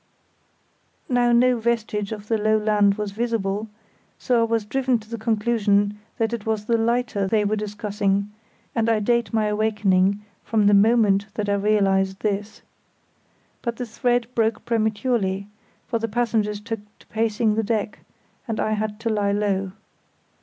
Now no vestige of the low land was visible, so I was driven to the conclusion that it was the lighter they were discussing; and I date my awakening from the moment that I realised this. But the thread broke prematurely; for the passengers took to pacing the deck, and I had to lie low.